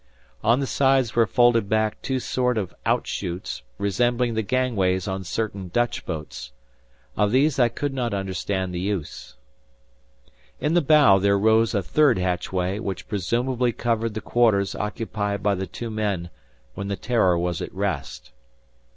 On the sides were folded back two sort of outshoots resembling the gangways on certain Dutch boats. Of these I could not understand the use. In the bow there rose a third hatch way which presumably covered the quarters occupied by the two men when the "Terror" was at rest.